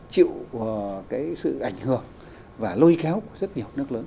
chịu cái sự ảnh hưởng và lôi kéo của rất nhiều nước lớn